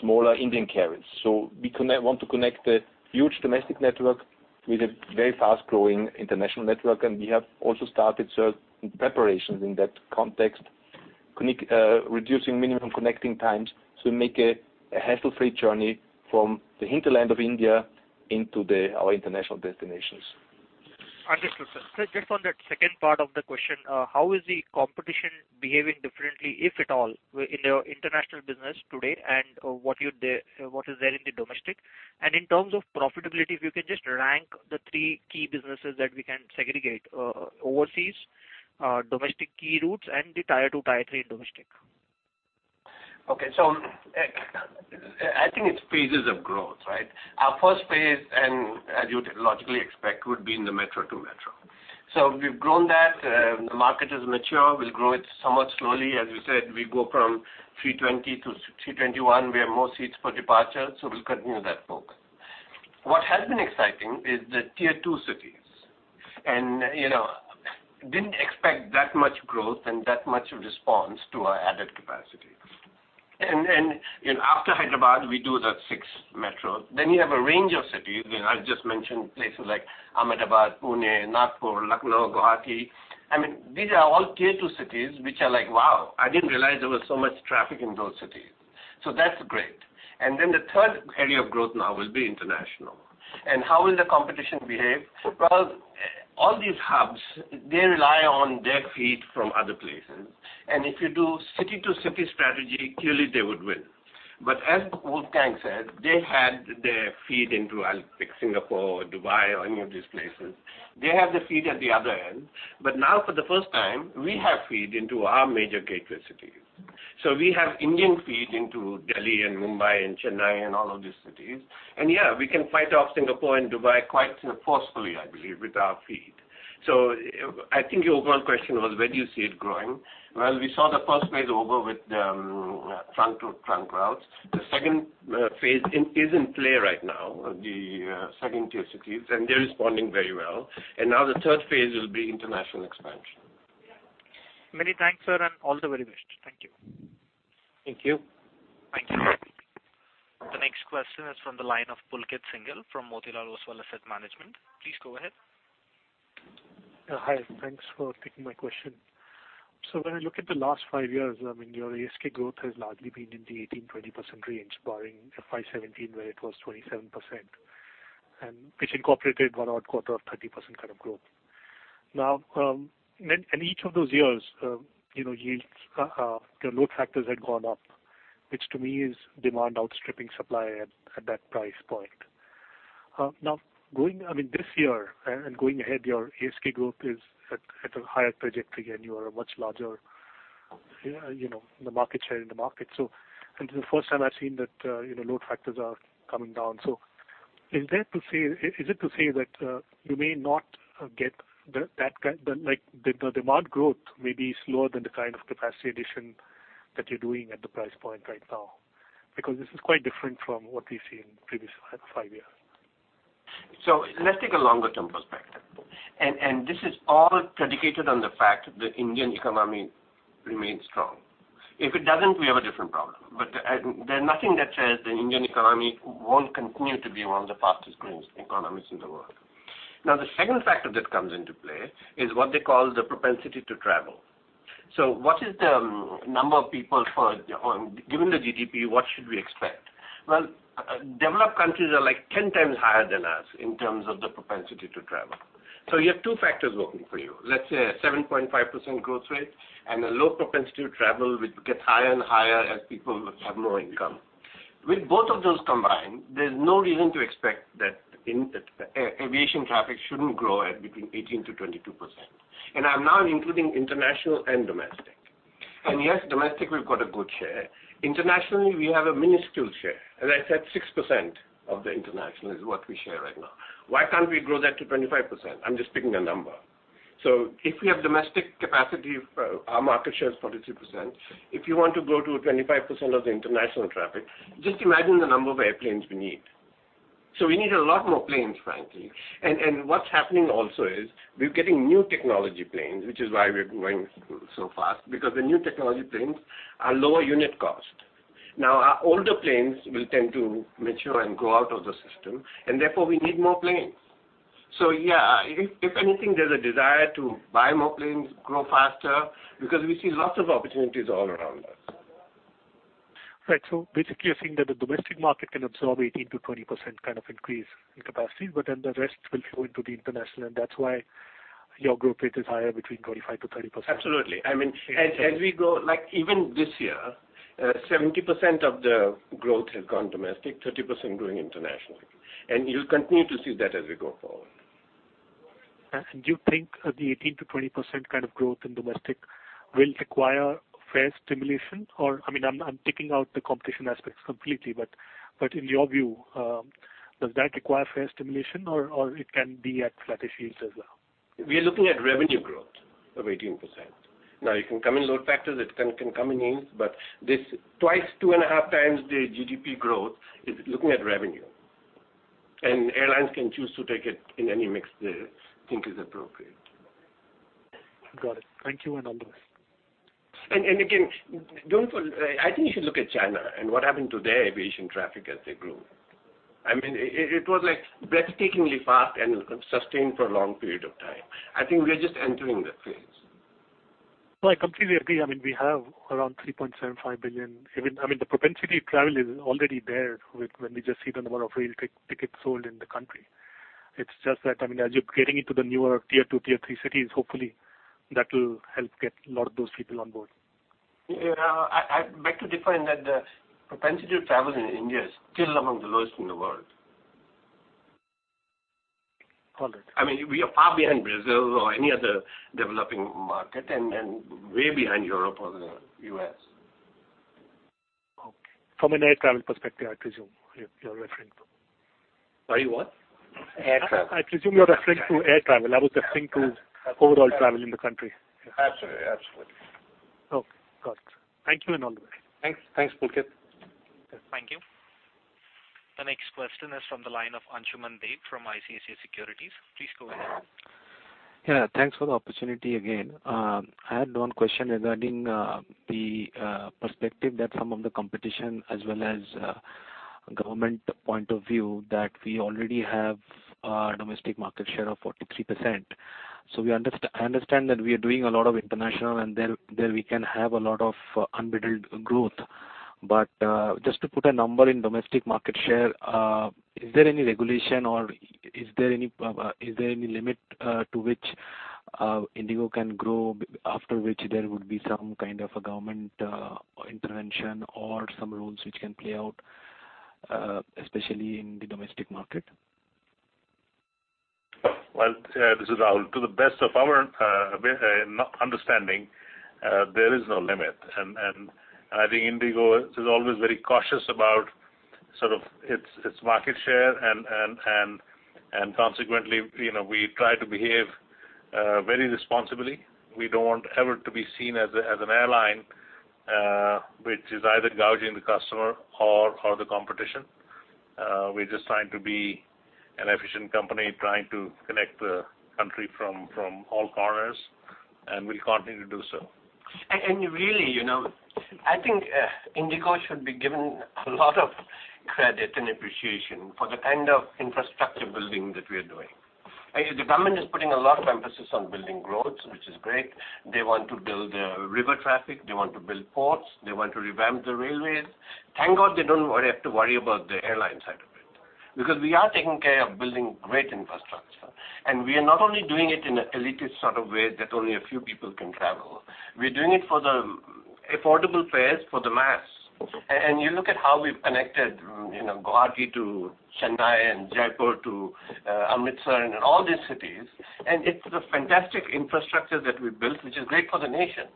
smaller Indian carriers. We want to connect the huge domestic network with a very fast-growing international network, we have also started certain preparations in that context, reducing minimum connecting times to make a hassle-free journey from the hinterland of India into our international destinations. Understood, sir. Sir, just on that second part of the question, how is the competition behaving differently, if at all, in your international business today, what is there in the domestic? In terms of profitability, if you can just rank the three key businesses that we can segregate. Overseas, domestic key routes, and the tier 2, tier 3 domestic. Okay. I think it's phases of growth, right? Our first phase, and as you'd logically expect, would be in the metro to metro. We've grown that. The market is mature. We'll grow it somewhat slowly. As you said, we go from A320 to A321. We have more seats for departure. We'll continue that focus. What has been exciting is the tier 2 cities. Didn't expect that much growth and that much response to our added capacity. After Hyderabad, we do the 6 metros. You have a range of cities. I've just mentioned places like Ahmedabad, Pune, Nagpur, Lucknow, Guwahati. These are all tier 2 cities which are like, wow, I didn't realize there was so much traffic in those cities. That's great. The third area of growth now will be international. How will the competition behave? Well, all these hubs, they rely on their feed from other places. If you do city to city strategy, clearly they would win. As Wolfgang said, they had their feed into, I'll pick Singapore or Dubai or any of these places. They have the feed at the other end. Now for the first time, we have feed into our major gateway cities. We have Indian feed into Delhi and Mumbai and Chennai and all of these cities. Yeah, we can fight off Singapore and Dubai quite forcefully, I believe, with our feed. I think your overall question was where do you see it growing? Well, we saw the first phase over with the trunk routes. The second phase is in play right now, the second tier 2 cities, and they're responding very well. Now the third phase will be international expansion. Many thanks, sir, and all the very best. Thank you. Thank you. Thank you. The next question is from the line of Pulkit Singhal from Motilal Oswal Asset Management. Please go ahead. Hi, thanks for taking my question. When I look at the last five years, your ASK growth has largely been in the 18%-20% range, barring FY 2017, where it was 27%, and which incorporated one odd quarter of 30% kind of growth. In each of those years, your load factors had gone up, which to me is demand outstripping supply at that price point. This year and going ahead, your ASK growth is at a higher trajectory and you are much larger in the market share in the market. This is the first time I've seen that load factors are coming down. Is it to say that the demand growth may be slower than the kind of capacity addition that you're doing at the price point right now? Because this is quite different from what we've seen in the previous five years. Let's take a longer-term perspective. This is all predicated on the fact that the Indian economy remains strong. If it doesn't, we have a different problem. There's nothing that says the Indian economy won't continue to be one of the fastest-growing economies in the world. The second factor that comes into play is what they call the propensity to travel. Given the GDP, what should we expect? Well, developed countries are 10 times higher than us in terms of the propensity to travel. You have two factors working for you. Let's say a 7.5% growth rate and a low propensity to travel, which gets higher and higher as people have more income. With both of those combined, there's no reason to expect that aviation traffic shouldn't grow at between 18%-22%. I'm now including international and domestic. Yes, domestic, we've got a good share. Internationally, we have a minuscule share. As I said, 6% of the international is what we share right now. Why can't we grow that to 25%? I'm just picking a number. If we have domestic capacity, our market share is 43%. If you want to grow to 25% of the international traffic, just imagine the number of airplanes we need. We need a lot more planes, frankly. What's happening also is we're getting new technology planes, which is why we're growing so fast, because the new technology planes are lower unit cost. Our older planes will tend to mature and go out of the system, and therefore we need more planes. Yeah, if anything, there's a desire to buy more planes, grow faster, because we see lots of opportunities all around us. Right. Basically, you're saying that the domestic market can absorb 18%-20% increase in capacity, the rest will flow into the international, that's why your growth rate is higher between 25%-30%. Absolutely. Even this year, 70% of the growth has gone domestic, 30% growing international. You'll continue to see that as we go forward. Do you think the 18%-20% growth in domestic will require fare stimulation? I'm taking out the competition aspects completely, in your view, does that require fare stimulation or it can be at flattish rates as well? We are looking at revenue growth of 18%. Now, it can come in load factors, it can come in yields, this twice, two and a half times the GDP growth is looking at revenue. Airlines can choose to take it in any mix they think is appropriate. Got it. Thank you, all the best. Again, I think you should look at China and what happened to their aviation traffic as they grew. It was breathtakingly fast and sustained for a long period of time. I think we are just entering that phase. No, I completely agree. We have around 3.75 billion. The propensity to travel is already there when we just see the number of rail tickets sold in the country. It is just that, as you are getting into the newer tier 2, tier 3 cities, hopefully that will help get a lot of those people on board. Yeah. I beg to differ in that the propensity to travel in India is still among the lowest in the world. Got it. We are far behind Brazil or any other developing market and way behind Europe or the U.S. Okay. From an air travel perspective, I presume you're referring to? Sorry, what? Air travel. I presume you're referring to air travel. I was referring to overall travel in the country. Absolutely. Okay. Got it. Thank you, and all the best. Thanks, Pulkit. Thank you. The next question is from the line of Ansuman Deb from ICICI Securities. Please go ahead. Yeah. Thanks for the opportunity again. I had one question regarding the perspective that some of the competition as well as government point of view that we already have a domestic market share of 43%. I understand that we are doing a lot of international and there we can have a lot of unbridled growth. Just to put a number in domestic market share, is there any regulation or is there any limit to which IndiGo can grow after which there would be some kind of a government intervention or some rules which can play out, especially in the domestic market? Well, this is Rahul. To the best of our understanding, there is no limit. I think IndiGo is always very cautious about sort of its market share and consequently, we try to behave very responsibly. We don't want ever to be seen as an airline, which is either gouging the customer or the competition. We're just trying to be an efficient company, trying to connect the country from all corners, and we'll continue to do so. Really, I think IndiGo should be given a lot of credit and appreciation for the kind of infrastructure building that we are doing. The government is putting a lot of emphasis on building roads, which is great. They want to build river traffic. They want to build ports. They want to revamp the railways. Thank God they don't have to worry about the airline side of it. We are taking care of building great infrastructure. We are not only doing it in an elitist sort of way that only a few people can travel, we are doing it for the affordable fares for the mass. You look at how we've connected Guwahati to Chennai and Jaipur to Amritsar and all these cities, and it's the fantastic infrastructure that we've built, which is great for the nation.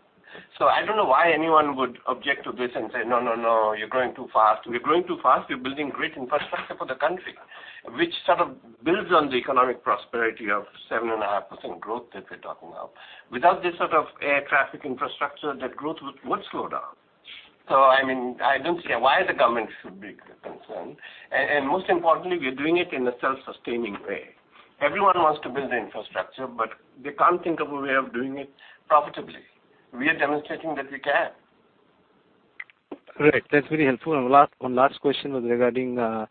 I don't know why anyone would object to this and say, "No, no, you're growing too fast." We're growing too fast. We're building great infrastructure for the country. Which sort of builds on the economic prosperity of 7.5% growth that we're talking about. Without this sort of air traffic infrastructure, that growth would slow down. I don't see why the government should be concerned. Most importantly, we are doing it in a self-sustaining way. Everyone wants to build the infrastructure, they can't think of a way of doing it profitably. We are demonstrating that we can. Great. That's very helpful. One last question was regarding to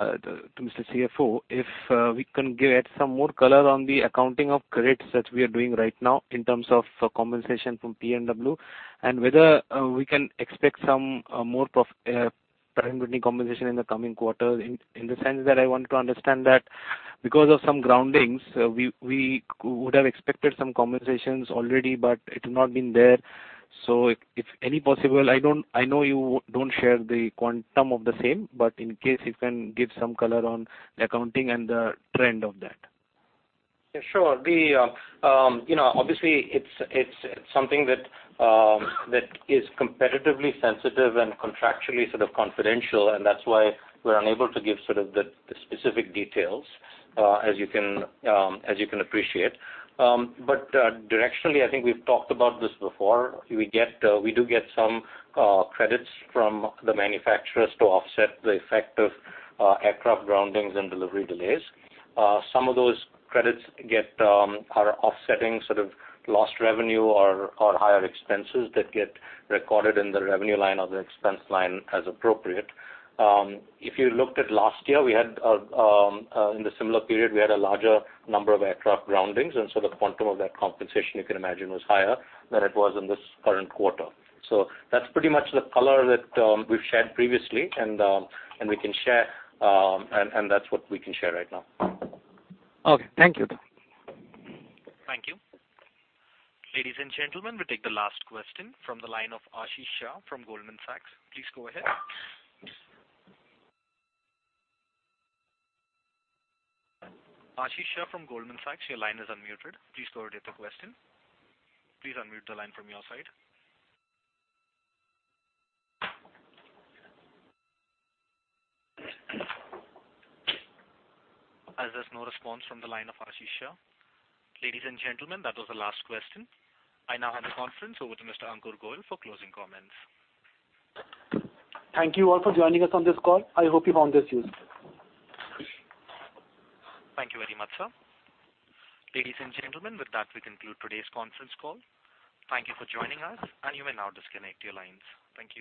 Mr. CFO, if we can add some more color on the accounting of credits that we are doing right now in terms of compensation from P&W and whether we can expect some more time between compensation in the coming quarter. In the sense that I want to understand that because of some groundings, we would have expected some compensations already, but it has not been there. If any possible, I know you don't share the quantum of the same, but in case you can give some color on the accounting and the trend of that. Yeah, sure. Obviously, it's something that is competitively sensitive and contractually sort of confidential, and that's why we're unable to give the specific details, as you can appreciate. Directionally, I think we've talked about this before. We do get some credits from the manufacturers to offset the effect of aircraft groundings and delivery delays. Some of those credits are offsetting sort of lost revenue or higher expenses that get recorded in the revenue line or the expense line as appropriate. If you looked at last year, in the similar period, we had a larger number of aircraft groundings, and so the quantum of that compensation you can imagine was higher than it was in this current quarter. That's pretty much the color that we've shared previously, and that's what we can share right now. Okay. Thank you. Thank you. Ladies and gentlemen, we'll take the last question from the line of Ashish Shah from Goldman Sachs. Please go ahead. Ashish Shah from Goldman Sachs, your line is unmuted. Please go ahead with the question. Please unmute the line from your side. As there's no response from the line of Ashish Shah, ladies and gentlemen, that was the last question. I now hand the conference over to Mr. Ankur Goel for closing comments. Thank you all for joining us on this call. I hope you found this useful. Thank you very much, sir. Ladies and gentlemen, with that, we conclude today's conference call. Thank you for joining us, and you may now disconnect your lines. Thank you